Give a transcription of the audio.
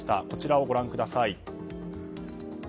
こちらをご覧ください。